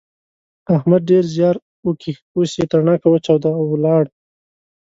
احمد ډېر زیار وکيښ اوس يې تڼاکه وچاوده او ولاړ.